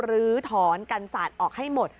ลื้อถอนกันศาสตร์ออกให้หมด